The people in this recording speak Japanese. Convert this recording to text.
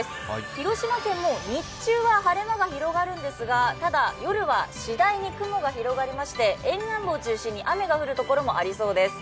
広島県も日中は晴れ間が広がるんですがただ夜は次第に雲が広がりまして沿岸部を中心に雨が降る所もありそうです。